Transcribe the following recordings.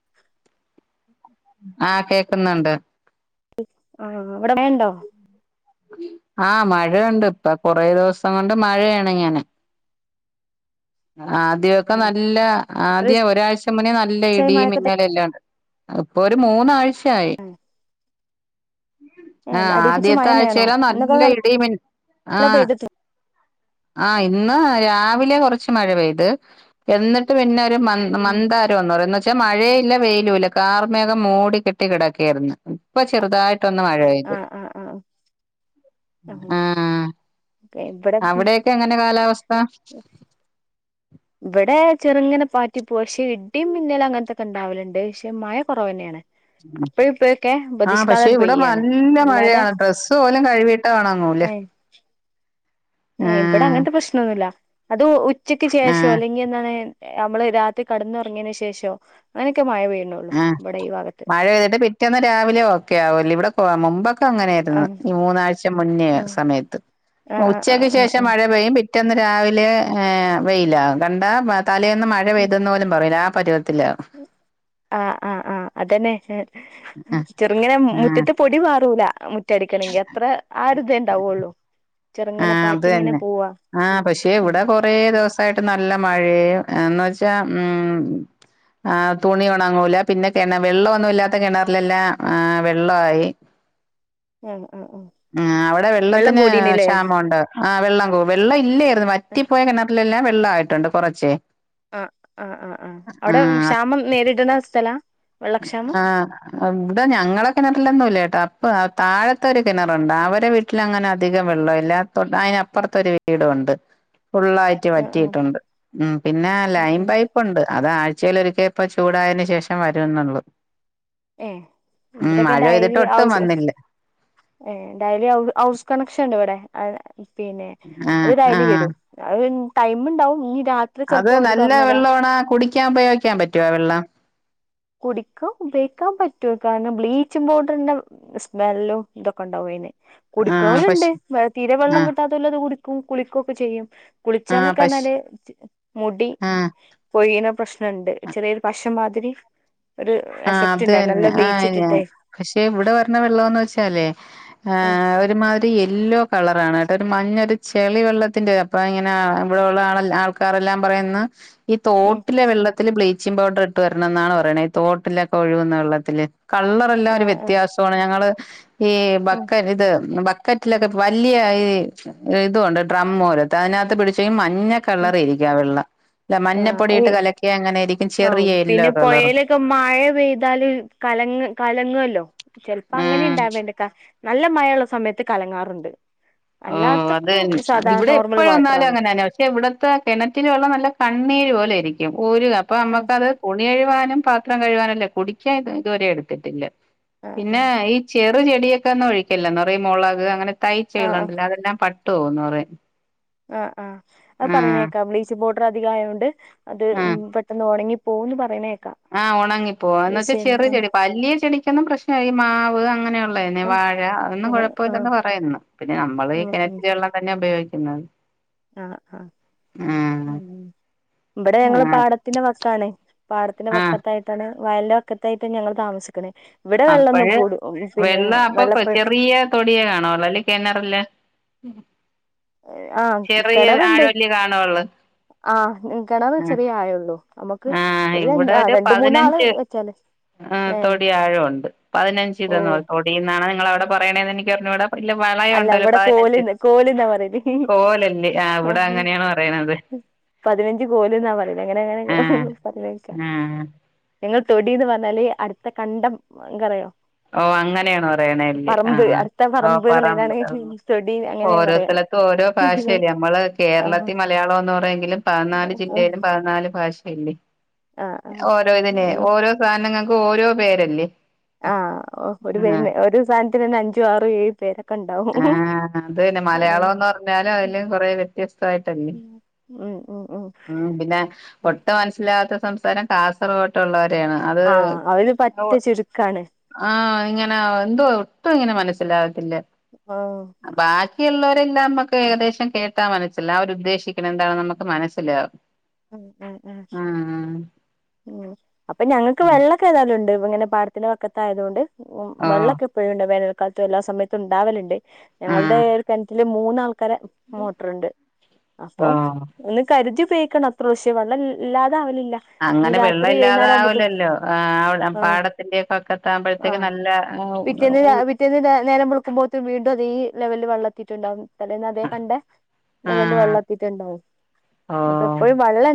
[inaudible] ആഹ് കേക്ക്ന്ന് ണ്ട്. [unintelligible] ആഹ് [unintelligible] ണ്ടോ ആഹ് മഴയുണ്ട്. ഇപ്പൊ കൊറേ ദിവസം കൊണ്ട് മഴയേണ്ങ്ങനെ. ആദ്യൊക്കെ ഏഹ് നല്ല, എത്ര ആദ്യ ഒരാഴ്ച മുന്നേ നല്ല ദിവസായി ഇടീ മഴൊക്കെ തൊട മിന്നല് എല്ലാം ഉണ്ട്. അത്പ്പൊ ഒരു മൂന്നാഴ്ചയായി. ഏഹ് ആഹ് അടിപ്പിച്ച് ആദ്യത്തെ മഴന്നെയാണോ ആഴ്ചേലാ ഇന്നൊക്കെ നല്ല ഇടീ മിൻ നല്ല ആഹ് പെയ്തിട്ടുണ്ട് ആഹ് ഇന്ന് രാവിലെ കൊറച്ച് മഴ പെയ്ത്. എന്നിട്ട് പിന്നെ ഒരു മൻ ഉം മന്താ [unintelligible] എന്ന് വെച്ചാ മഴയില്ല വെയിലൂല്ല, കാർമേഘം മൂടി കെട്ടി കിടക്കായിര്ന്ന്. ഇപ്പൊ ചെറുതായി ആഹ് ആഹ് ആഹ് ആഹ് ക്കേ ഇബടെ ക്കെ എങ്ങനെ കാലാവസ്ഥ? ഇബടെ ചെറുങ്ങനെ പാറ്റി പോവ, പക്ഷെ ഇടിം മിന്നലും അങ്ങൻത്തൊക്കെ ഇണ്ടാവല്ണ്ട് പക്ഷെ മയ കൊറവെന്നേണ്. അപ്പഴും ഇപ്പഴൊക്കെ ആഹ് പക്ഷെ പ്രതീക്ഷിക്കാതണ് ഇവിടെ പെയ്യാണ്. നല്ല അല്ലാതെ മഴയാണ് ഡ്രസ്സ് പോലും കഴുകിയിട്ട് ഒണങ്ങൂല ഏഹ് ഏഹ് ഇബടെ ആഹ് അങ്ങൻത്തെ പ്രശ്നൊന്നുല്ല. അത് ഉച്ചക്ക് ശേഷോ ആഹ് അല്ലെങ്കി എന്താണ് നമ്മള് രാത്രി കട്ന്നൊർങ്ങീന് ശേഷം. അങ്ങനൊക്കെ മഴ പെയ്യ്നൊ ആഹ് മഴ പെയ്തിട്ട് പിറ്റേന്ന് രാവിലെ ഓക്കെ ആവുലേ. ഇവിടെ കൊ മുമ്പ് ക്കെ അങ്ങനെയായിര്ന്ന്‌, ആഹ് ഈ മൂന്നാഴ്ച മുന്നേ ആഹ് സമയത്ത്. ആഹ് ഉച്ചക്ക് ആഹ് ആഹ് ശേഷം മഴ ആഹ് പെയ്യും പി റ്റേന്ന് രാവിലെ ഏ വെയിലാ, കണ്ടാ തലേന്ന് മഴ പെയ്ത് ന്ന് പോലും പറയില്ല ആ പരുവത്തിലാ. ആഹ് ആഹ് ആഹ്. അതന്നെ പക്ഷേ, ആഹ് ചെറുങ്ങനെ ആഹ് മുറ്റത്ത് പൊടി പാറൂല മുറ്റടിക്കണെങ്കി, അത്രെ ആ ഒര്തേണ്ടാവൊള്ളൂ. ആഹ് അത് തന്നെ. ആഹ് പക്ഷേ ഉം ഇവിടെ കൊ റേ ദിവസായിട്ട് നല്ല മഴയും എന്ന് വെച്ചാ ഉം ആഹ് തുണി ഒണങ്ങൂല പിന്നെ, കെണ വെള്ള ഒന്നും ഇല്ലാത്ത കെണറിലെല്ലാം ആഹ് വെള്ള ആയി. [inaudible] ആഹ് ആഹ് ആഹ് അവിടെ വെള്ളം വെള്ളത്തിന് കൂടീനില്ലേ ഒണ്ട്. ആഹ് വെള്ളം വെള്ളം ഇല്ലേയ്ര്ന്നു, വറ്റിപ്പോയ കിണറിലെല്ലാം വെള്ള ആയിട്ടുണ്ട് കൊറച്ചേ. ആഹ് ആഹ് ആഹ് ആഹ്‌. അവിടെ ആഹ് ക്ഷാമം നേരിട്ണെ സ്ഥലാ? വെള്ളക്ഷാമം ആഹ് അവ്ടെ ഞങ്ങളെ കിണറിലൊന്നും ഇല്ലട്ടോ. അപ്പൊ താഴത്തെ ഒരു കിണറുണ്ട്, അവരെ വീ ട്ട്ലങ്ങനെ അധികം വെള്ള ഇല്ല. തൊ അയ്നപ്പുറത്തൊരു വീടുണ്ട്. ഫുള്ളായി ആഹ് ആഹ് പറ്റിയിട്ടുണ്ട് ഉ പിന്നെ ഉം ലൈൻ ഉം പൈപ്പ് പ്പുണ്ട് അത ആഴ്ചലൊരിക്കേ ഇപ്പ ചൂടായതിന് ശേഷം വരന്നള്ളു ഏ ഇവിടെക്കെ ഡൈലി ആവശ്യം വന്നില്ല ഏ ഡലി ഹൌ ഹൗസ് കണക്ഷൻ ഉണ്ട് ഇവിടെ പിന്നെ അത് ആഹ് ഡയ്ലി ആഹ് വരും അത് ടൈമ് ഉണ്ടാവും ഇനി രാത്രി അത് ചിലപ്പോ അവര് നല്ല തുറന്നിടാ വെള്ള ആണോ കുടിക്കാൻ ഉപയോഗിക്കാൻ പറ്റുവ വെള്ളം? കുടിക്കാ ഉപയോഗിക്കാൻ പറ്റു കാരണം ബ്ലീച്ചിങ് പൗഡറിന്റെ.. സ്മെല്ലും ഇതൊക്കെ ഉണ്ടാവുംയിന് ആഹ് കുടിക്കണലുണ്ട് പശു വ തീരെ വെള്ളം ആഹ് കിട്ടാതോൽ അത് കുടിക്കും കുളിക്കുകൊക്കെ ചെയ്യും. ആഹ് കുളിച്ചാലൊക്കെ പശു പറഞ്ഞാല് മുടി ആഹ് പൊയിന പ്രശ്നുണ്ട് ചെറിയൊരു പശംമാതിരി ആഹ അത് തന്നെ ആഹ ബ്ലീച്ച് അന ഇട്ടിട്ടെ പക്ഷെ ഇവിടെ വര്ണ വെള്ളംന്ന് വെച്ചാലേ ഉം ആഹ ഒരു മാത് യെല്ലോ കളറ ആണ് കേട്ട ഒരു മഞ്ഞൊരു ചെളിവ വെള്ളത്തിന്റെ അപ്പൊ ഇങ്ങനെ ഇവിടെള്ള ആ ആൾല്ല ആൾക്കാറെല്ലാം പറയുന്ന ഈ ഉം തോട്ടിലെ വെള്ളത്തിത്തില് ബ്ലീച്ചിങ്പൗഡർ ഇട്ട് വരണം എന്നാണ് പറയണഈ തോട്ട് വട്ടിലൊക്കെ ഒഴുകുന്ന വെള്ളത്തില് കള്ളർല്ലാം ഒരു ആഹ് ആഹ് വ്യത്യാസമാണ് ഞങ്ങള്.. ഈ ഉം ബക്കൻ ഇത് ബക്ക കറ്റിലൊക്കെ വലിയ ഈ ഇതൊണ്ട് ഡ്രം മ പോലത്തെ അതിനകത്ത് പിടിച്ചഈ മഞ്ഞ ഉം കളർ ഇരിക്കാം വെള്ള ഇല്ല ആഹ് അയ് മഞ്ഞപ്പൊടിയിട്ട് കലക്കിയ അങ്ങനെ ഇരിക്കും ചെറിയ എല്ലോ കളർ. ഇപ്പൊ മഴ പെയ്താല് കല കലങ്ങല്ലോ ചിലപ്പോ അങ്ങനെ ഉം ഇണ്ടാവേണ്ടക്ക നല്ല മഴയുള്ള സമയത്ത് കലങ്ങാറുണ്ട്. ഓ അതന്നെ അല്ലാത്തപ്പോ അ സാധാ ഇവിടെ നോർമൽ എപ്പഴ വന്നാലും വാട്ടറാണ് അങ്ങനെന്ന ഇവിടത്തെ കിണറ്റിൽ വെള്ള നല്ല കണ്ണീര് പോലെ ആയിരിക്കും ഒരു അപ്പ ആഹ് നമ്മുക്കത് ഉൽ നീ കഴാനും പാത്രം കഴുവാനുംല്ലേ കുടിക്കാൻ ഇതുവരെ എടുത്തിട്ടില്ല ആഹ് പിന്നെ ഈ ചെറു ചെടിയൊക്കെ ഒന്ന ഒഴിക്കല എാ പറ മുളക് അങ്ങനെ ആഹ് ആഹ് തയ്ച്ചകികൾണ്ടല്ലോ അതെല്ലാം പട്ടു പോന്ന് പറ ആഹ് ആ് അത് പറനേക്കാ ബ്ലീചിങ്ങ് പൗഡർ അധികം ആയതുകൊണ്ട് അത് മ് ആഹ് പെ അന്ന്ഒണങ്ങിപ്പോന്ന് പറയണേ ആഹ് ഉണങ്ങിപ്പോ എന്ന വെച്ചാ ചെറിയ ചെടി വലിയ ചെടിക്കൊന്നും പ്രശ്നമായി ഈ മാവ് അങ്ങനെയുള്ളതന്നെ ആഹ് വാഴ ഒന്നും ആഹ് ആഹ് കുഴപ്പ ആഹ് ഇല്ലെന്ന് പറയുന്നു പിന്നെ നമ്മള് ഈ ഉം കിണറ്റ വെള്ളം തന്നെ ഉപയോഗിക്കുന്നത് ആഹ ആഹ ഉ ആഹ് ഇവിടെ ഞങ്ങള് ആഹ് പാടത്തിന്റെ വക്കാണ പാടത്തിന്റെ ആഹ് വക്കത്തായിട്ട് താണ് വയലിന്റെറെ വക്കത്തായിട്ട് ഞങ്ങൾ താമസിക്കണത് ഇവിടെ വെള്ളംന്നും അപ്പഴ് കൂടൂ പിന്നെ വെള്ളപ്പ തൊടിയോ കാണൂ അല്ലെ ഈ കിണറില്. ആഹ് ചെറിയ കിണറിണ്ട്, ആഴല്ലേ കാണുള്ളൂ ആഹ് കിണറ് ആഹ് ചെറിയ ആഴള്ളൂ. നമ്മുക്ക് ആഹ് ഒരു ര രണ്ട് മൂന്നാള് വെച്ചാല്. ആഹ് ഏഹ് തൊടി ആഴമുണ്ട്. പതിനഞ്ച് ഇതന്നോ ഓഹ് തൊടിന്നാണ് നിങ്ങക്ക് അവിടെ പറയണന്ന് എനിക്ക് അറിഞ്ഞൂട. ഇല്ല വളയം അല്ല ഉണ്ടല്ലോ, ഇവിടെ പതിനഞ്ച് കോല്ന്ന് കോല്ന്നാ പറയല് കോലല്ലേ ആഹ് ഇവിടെ അങ്ങനെയാണ് പറയണത്. പതിനഞ്ച് കോലന്നാ പറയണ അങ്ങനെ അങ്ങനെ ആഹ് പറയണ കേക്കാം. ആഹ് ഞങ്ങൾ തൊടിന്ന് പറഞ്ഞാല് അടുത്ത കണ്ടം നിങ്ങക്കറിയോ. ഓഹ് അങ്ങനെയാണോ പറയണ അല്ലേ പറമ്പ് ആഹ്. അടുത്ത പറമ്പ് പറാന് എന്നുള്ളതിനാണ് തൊടി അങ്ങനെയാ ഓരോ പറയാ സ്ഥലത്തും ഓരോ ഭാഷയല്ലെ, നമ്മള് ആഹ് കേരളത്തിൽ മലയാളം ഒന്ന് പറയെങ്കിലും. പതിന്നാല് ആഹ് ജില്ലയിലും പ പതിന്നാല് ഭാഷയില്ലേ ആഹ് ഓരോ ഇതിന് ഓരോ സാധനങ്ങൾക്ക് ഓരോ പേരല്ലേ. ആഹ് ഓഹ് ഒരു ആഹ് പേര് ഒരു സാധനത്തിന് തന്നെ അഞ്ചു ആറ് ഏഴ് പേര ആഹ് അത് പിന്നെ മലയാളം എന്ന് പറഞ്ഞാലും അതില് കൊറെ വ്യത്യസ്തമായിട്ടല്ലേ. ഉം ഉ ഉ ഉം പിന്നെ ഒട്ടും മനസ്സിലാവാത്ത സംസാരം കാസർഗോട്ട് ഉള്ളവരെയാണ്. ആഹ് അവര് പറ്റേ ചുരുക്കാണ്. ആഹ് ഇങ്ങനെ എന്തോ ഒട്ടും ഇങ്ങനെ മനസ്സിലാകത്തില്ല. ആഹ് ബാക്കിയുള്ളള്ളവരെല്ലാം നമ്മുക്ക് ഏകദേശം കേട്ടാൻ മനസ്സിലാവും അവർ ഉദ്ദേശിക്കണ എന്താണെന്ന് നമുക്ക് മനസ് അല്ല ഉ ഉം ഉം ഉ അപ്പൊ ഞങ്ങൾക്ക് വെള്ള ഇൻക് ഏതാലുണ്ട് ഇങ്ങനെ പാടത്തിന്റെ പക്കത്ത് ആയതുകൊണ്ട് ഉ ഓഹ് വെള്ളൊക്കെ ഇപ്പോഴുണ്ട് വേനൽക്കാലത്തും എല്ലാ സമയത്തും ഉണ്ടാവലുണ്ട് ഞങ്ങളുടെ ആഹ് ഒരു കിണറ്റത്തില് മൂന്നാൾക്കാര മോട്ടറുണ്ട് അപ്പൊ ഓഹ് ഒന്ന് കരുതി ഉപയോഗിക്കണം. പ്രാവശ്യ വെള്ളം ഇല്ലാതെ അവലില്ല. അങ്ങനെ വെള്ളം ഇല്ലാതെ ആവില്ലല്ലോ ആ ആഹ് പാടത്തിന്റെ വക്കത്താവുമ്പോൾ. [unintelligible] ക്ക് നല്ല മു ഇല്ല ഇല്ല വീട്ടീന്ന് നേരം വെളുക്കുമ്പോത്തും വീണ്ടും അതെ ലെവലിൽ വെള്ളം എത്തിയിട്ടുണ്ടാവും. തലേന്ന് അതേ കണ്ട ലെവലിൽ ആഹ് വെള്ളം എത്തിട്ടുണ്ടാവും. ഓ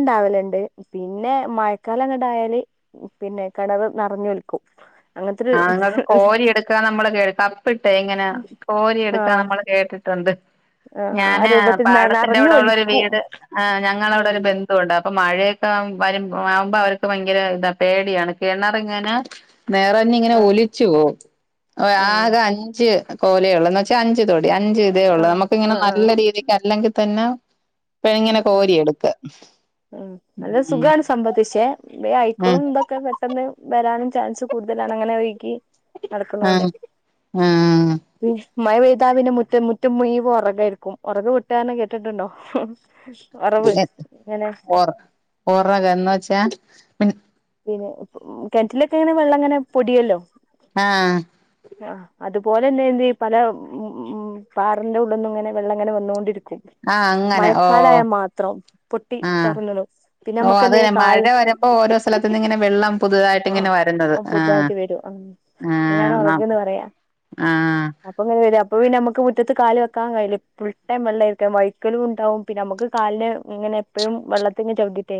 ണ്ടാവലണ്ട് പിന്നെ മഴക്കാലം അങ്ങടായാല്. പിന്നെ കിണറ് നിറഞ്ഞ് ഒലിക്കും. ആഹ് നിങ്ങൾക്ക് കോരി എടുക്കാൻ നമ്മള് കേ കപ്പിട്ടേ ഇങ്ങനെ കോരി എടുക്കാ ആഹ് നമ്മള് കേട്ടി ണ്ട് ആഹ് ആ ഞാന് രൂപത്തിൽ ന പാടത്തിന്റെ നറഞ്ഞു ഇവിടെ ഉള്ള ഒരു ഒലിക്കും വീട് ആഹ് ഞങ്ങള് ഉം അവിടെ ഒരു ബന്ധുണ്ട് അപ്പൊ മഴയൊക്കെ വരു ആവുമ്പോ അവർക്ക് ഭയങ്കര ഇതാ പേടിയാണ് കിണറിങ്ങനെ നിറ ഇങ്ങനെ ആഹ് ഒലിച്ചു പോവും. ആഹ് ആകെ അഞ്ച് കോല് ഉള്ളു എന്ന് വച്ചാ അഞ്ച് തൊടി അഞ്ച്. ഇതേ ഉള്ളു, ആഹ് നമുക്ക് ഇങ്ങനെ ആഹ് നല്ല ആഹ് രീതിക്ക് അല്ലെങ്കിൽ തന്നെ. ഇങ്ങനെ ആഹ് ആഹ് കോരിയെടുക്ക ഉ നല്ല ഉം സുഖമാണ് സംബന്ധിച്ച് വേഗം ആയിക്കോളും ആഹ് എന്താ ക്ക പെട്ടെന്ന് വരാനും ചാൻസ് കൂടുതലാണ് അങ്ങനെ ഒഴിക്കി നടക്കുന്നത് കൊണ്ടെ. ആഹ് ആഹ് പി മഴ പെയ്താ പിന്നെ മുറ്റ മുറ്റം മുഴുവൻ ഉറകായിരിക്കും. ഉറക് വെട്ടുവാന്ന് കേട്ടിട്ടുണ്ടോ. ഒറവ് ഇങ്ങനെ ഒർ ഉറക് എന്ന് വച്ചാ. പിന്നെ കിണറ്റിലൊക്കെ ഇങ്ങനെ വെള്ളം ഇങ്ങനെ പൊടിയല്ലോ. ആഹ് ആഹ് അതുപോലെ തന്നെ എന്തെതി പല ഉം പാറന്റെ ഉള്ളിന്ന് ഇങ്ങനെ വെള്ളം ഇങ്ങനെ വന്നുകൊണ്ടിരിക്കും. ആഹ് അങ്ങനെ ഓ മഴക്കാലം ആയാൽ മാത്രം പൊട്ടി ആഹ് തുറന്നിടും പിന്നെ ഓ നമ്മുക്ക് അത് എന്തെ തന്നെ കാൽ മഴ വരുമ്പോ ഓരോ സ്ഥലത്തു നിന്ന് ഇങ്ങനെ വെള്ളം. പുതുതായിട്ട് ആഹ് ഇങ്ങനെ വരുന്നത് ആഹ് പുതുതായിട്ട് വരും ആ ആഹ് ഇതിനാണ് എന്ന ഉറകന്ന് പറയാ ആഹ്. അപ്പൊ അങ്ങനെ വരും അപ്പൊ പിന്നെ നമക്ക് മുറ്റത്ത് കാല് വെക്കാകയില്ല ഫുൾ ടൈം വെള്ളംരിക്കാം വഴക്കലും ഉണ്ടാവും. പിന്നെ നമുക്ക് കാലന് ഇങ്ങനെ എപ്പോഴും വെള്ളത്തിങ് ചവിട്ടയിട്ടേ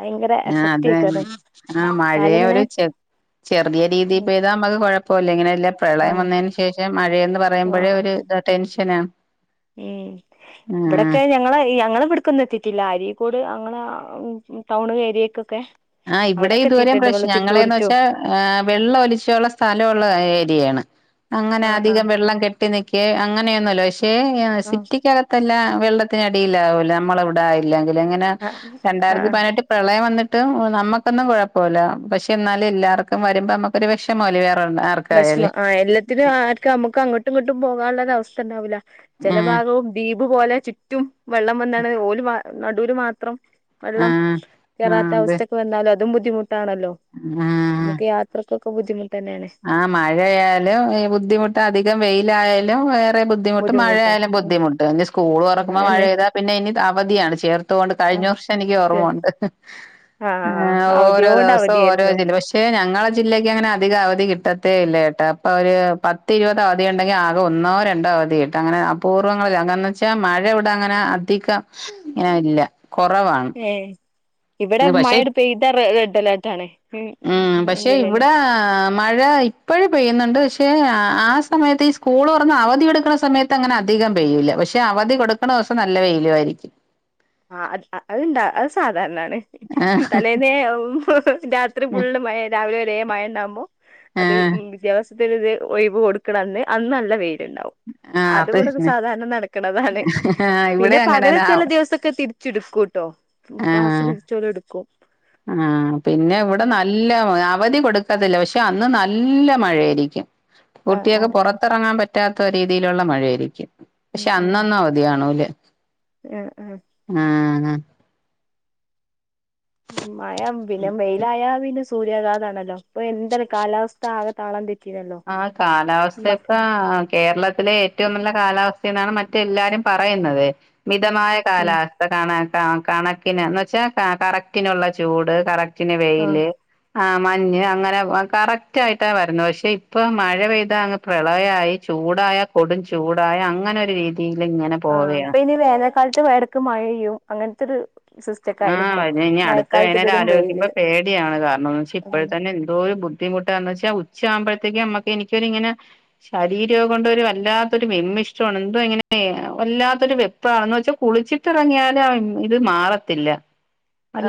ഭയങ്കര എഫക്. അത് തന്നെ ആ മഴയും ഒരുെ ചെറിയ രീതിൽ പേയതാ നമ്മുക്ക് കുഴപ്പല്ല ഇങ്ങനെല്ല. പ്രളയം ആഹ് വന്നതിന് ശേഷം മഴയന്ന് പറയുമ്പോഴേ ആഹ് ഒരു ഇ ടെൻഷനാണ്. ഉം ഇവിടെൊക്കെ ഞങ്ങള ഞങ്ങ ഇവിടക്കന്ന് എതി പറ്റില്ല അരിക്കോട് അങ്ങനെ ടൗൺ ഏരിയക്കൊക്കെ. ആ ഇവിടെ അവിടൊക്കെ ദൂരം എത്തിയിട്ടുണ്ട് വെള്ള പ്രശ്നം ഞങ്ങളെന്ന് ചുറ്റോടിറ്റും വെച്ചാ വെള്ളം ഒലിചുള്ള സ്ഥലമുള്ള ഏരിയാണ്. അങ്ങനെ ആഹ് ആഹ് അധികം വെള്ളം കെട്ട ട്ടിനിക്കേ അങ്ങനെയൊന്നല്ലോ പക്ഷെ ആ ആഹ് സിറ്റിക്കകത്തല്ല വെള്ളത്തിനടിയിലാവല്ലോ നമ്മളവി താ ഇല്ലെങ്കിലങ്ങനെ ആഹ് രണ്ടായിരത്തി ആഹ് പതിനെട്ടി പ്രളയം വന്നിട്ട്. നമ്മക്കൊന്നും കുഴപ്പൊല്ല പക്ഷെ ഇന്നാലും എല്ലർക്കും വരുമ്പോ നമുക്കൊരു വെഷമല്ലേ വേറേ ഒരെ ആർ [unintelligible] ആ എല്ലാത്തിനും ആർക്കും നമുക്ക് അങ്ങട്ടും ഇങ്ങ്ട്ടും പോകാനുള്ള ഒരവസ്ഥ ഉണ്ടാവൂല ആ ചെല ഭാഗവും ദ്വീപ് പോലെ ചുറ്റും വെള്ളം വന്നാണ് ഓല് നടൂല് മാത്രം. ആ വെള്ളം ആ കേറാത്ത അതെ അവസ്ഥക്ക് വന്നാലും അതും ബുദ്ധിമുട്ടാണല്ലോ. ആ ഇനി ഒക്കെ യാത്രക്കൊക്കെ ബുദ്ധിമുട്ട് തന്നേണ്. ആ മഴയാലും ഈ ബുദ്ധിമുട്ട് അധികം വെയിലായാലും വേ ത്തെ ബുദ്ധിമുട്ട് ബുദ്ധിമുട്ടാ മഴയായാലും ഉം ബുദ്ധിമു് ഇനി സ്കൂളൊറക്കുമ്പൊ അതന്നെ മഴെയ്താ പിന്നെ ഇനി അവധിയാണ് ചേർ ത്തുകൊണ്ട് കഴിഞ്ഞ വർഷം എനിക്ക് ഓർമ്മ ഉണ്ട്. ആ ഓരോ അവധിയോട് ദിവസം ഓരോ അവധിയായിരുന്നു ജില്ല പക്ഷെ ഞങ്ങളെ ജില്ലക്ക് അങ്ങനെ അധികം അവ ധി കിട്ടത്തേ ഇല്ലകേട്ടോ അപ്പൊ ഒരു പത്ത് ഇരുപത് അവധി ഉണ്ടെങ്കിൽ ആകെ ഒന്നോ രണ്ടോ അവധി കിട്ടും അങ്ങനെ. പൂർവ്വങ്ങളിൽ അങ്ങനെന്ന് വെച്ചാ മഴ ഇവിടെ അങ്ങനെ അധികം ഇങ്ങന ഇല്ല കൊറവാണ്. ഏ ഇവിടെ മഴെണ്ട് പെയ്താ റെഡ് അലേർട്ടാണ് ഉം പക്ഷെ ജില്ലയില്. ഇവിടെ മഴ ഇപ്പോഴ് പെയ്യുന്നുണ്ട് പക്ഷെ ആ സമയത്ത് ഈ സ്കൂള് തുറന്ന് അവധി എടുക്കണ സമയ ത്തങ്ങനെ അധികം പെയൂല്ല പക്ഷെ അവധി കൊടുക്ക്‌ണ ദിവസം നല്ല വേയിലു ആയിരിക്കും. ആ അത് അത്ണ്ട അത് സാധാരണാണ് ആ തലേന്നേ ഇത്രി ഫുള്ള് മഴ രാവിലെ വരെ മഴ ഉണ്ടാവകുമ്പോ ആ അത് ഉം വിദ്യാഭ്യാസ് ത്തിന് ത് ഒയിവ് കൊടുക്കണന്ന് അന്ന് നല്ല വെയില്ണ്ടാവും. ആ അത് അതുവിടെത് തന്നെ സാധാരണ നടക്കണതാണ് ആ പിന്നെ ഇവിടെ പകരം അങ്ങനെന്നെ ആ ചില ദിവസ ക്കെ തിരിച്ചെടുക്കുംട്ടോ ക്ലാസ്സ് തിരിച്ചോല് ഇടുക്കും. ആ പിന്നെ ഇവിടെ നല്ല അവധി കൊടുക്കാത്തില്ല പക്ഷെ അന്ന് നല്ല മഴയായിരിക്കും. ആഹ് കുട്ടിയേക്ക് ആഹ് ആഹ് പുറത്തിറങ്ങാൻ പറ്റാത്ത രീതിയിലുള്ള മഴ ആയിരിക്കും പക്ഷെ അന്നന്നവ വധി കാണൂലെ ഉം ഉം. ആ ന മഴ പിന്നെ വെയിലായ പിന്നെ സൂര്യകാതാണല്ലോ. ഇപ്പൊ എന്താണ് കാലാവസ്ഥ ആകെ താളം തെറ്റിയല്ലോ. അഹ് കാലാവസ്ഥേ ഉം ആ കേരളത്തിലെ ഏറ്റവും നല്ല കാലാവസ്ഥ എന്നാണ് മറ്റെ എല്ലാരും പറയുന്നത്. മിതമായ കാലാവസ്ഥ കണ കണക്കിന് എന്ന് വെച്ചാ കറക്റ്റിനുള്ള ചൂട് കറക് ക്റ്റിന് ആഹ് വെയില് ആ മഞ്ഞ് അങ്ങനെ കറക്റ്റ് ആയിട്ടാ വരുന്നെ പക്ഷെ. ഇപ്പൊ മഴ പെയ്താ ആകെ പ്രളയായി ചൂടായ കൊടും ചൂടായ അങ്ങനെ ഒരു രീതിയിലിങ്ങനെ. ആ ഇപ്പൊ ഇനി വേനൽക്കാലത്ത് എടക്ക് മഴെയ്യും അങ്ങനത്തെരു സിസ് ആ വരുന്ന ഇനി അടുത്ത വേനല് വെയില് ആലോചിക്കുമ്പൊ പേടിയാണ് കാരണംന്ന് വെച്ചാ ഇപ്പോഴ ആഹ് തന്നെ എന്തോരു ബു ബുദ്ധിമുട്ടാന്ന് വെച്ച ഉച്ച ആകുമ്പോഴത്തേക്ക് നമ്മക്ക് എനിക്കൊരിങ്ങനെ. ശാരീരോം കൊണ്ടൊരു വല്ലാത്തൊരു വിമ്മിഷ്ടമാണ് എന്തോ ഇങ്ങനെ വല്ലാത്തൊരു വെ. ഇപ്പഴാന്ന് വെച്ചാ കുളിച്ചിട്ടിറങ്ങിയാല് ഇത് മാറത്തില്ല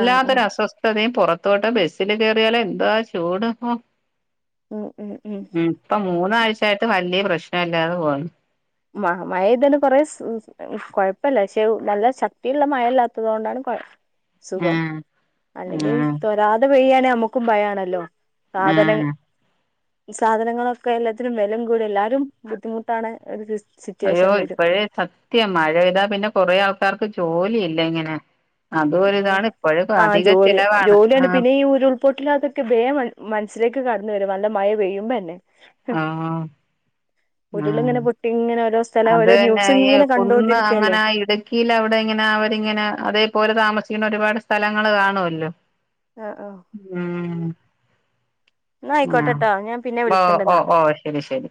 ആഹ് ആഹ് അസ്വസ്ഥ. ത്തദേ പുറത്തോട്ട് ബസ്സില് കേയറിയാലോ എന്താ ചൂട ഇപ്പൊ ഉം ഇപ്പ മൂന്നാഴ്ചായിട്ട് വല്ല്യ പ്രശ്ന ഇല്ലാതെ പോകുന്നു. മ മയേയ്തണ്ട് കൊറേ സു ഞങ്ങൾ കൊഴപ്പല്യ പക്ഷെ നല്ല ശക്തിയുള്ള മഴല്ലാത്തത് കൊണ്ടാണ് കൊ സുഖം ആഹ് അല്ലെങ്കിൽ ആഹ് തോ രാതെ പെയ്യാണെങ്കിൽ നമുക്കും ഭയാണല്ലോ സാധനം ആഹ് സാധനങ്ങളൊക്കെ എല്ലാത്തിനും വിലം കൂടി എല്ലാരും ബുദ്ധിമുട്ടാണ് ഒരു അയ്യോ സിറ്റുവേഷൻ വരും ഇപ്പോഴേ സ സത്യം മഴ പെയ്താൽ പിന്നെ കുറെ ആൾക്കാർക്ക് ജോലി ഇല്ല ഇങ്ങനെ അതും ഒരു ഉം ഇതാണ് ഇപ്പോഴും അധിക ചിലവാണ് ആ പൊട്ടില്ലാത്തൊക്കെ വേം മൻ മനസ്സിലേക്ക് കടന്ന വരും നല്ല മഴ പെയ്യുമ്പോ ന്നെ ഹ് ആ ഉരുള് ഉം ഇങ്ങനെ പൊട്ടി ഇങ്ങനെ വരുന്ന സ് സ്ഥലം അത് ഓരോ ന്യൂസ് ഇങ്ങനെ കണ്ടുകൊണ്ടിരിക്കല്ലേ ക്കിൽ അവിടെ ഇങ്ങനെ അവരിങ്ങനെ അതേപോലെ താമസിക്കുന്ന ഒരുപാട് സ്ഥലങ്ങള് കാണുമല്ലോ ആഹ് ആഹ് ഉം എന്ന ആ ആയിക്കോട്ടെട്ടോ ഞാൻ പിന്നെ ഓ ഓ വിളിക്കണ്ട്ന്നാ ഓ ശരി ശരി